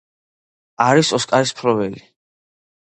არის ოსკარის მფლობელი.